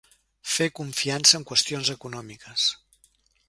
Fer confiança en qüestions econòmiques.